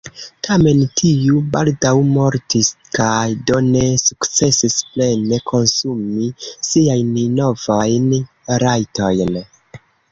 Tamen tiu baldaŭ mortis kaj do ne sukcesis plene konsumi siajn novajn rajtojn.